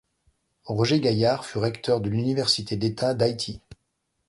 Roger Gaillard fut recteur de l'Université d'État d'Haïti.